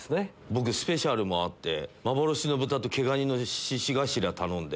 僕スペシャルメニューもあって幻の豚と毛蟹の獅子頭頼んで。